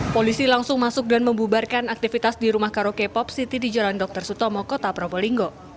polisi langsung masuk dan membubarkan aktivitas di rumah karaoke pop city di jalan dr sutomo kota probolinggo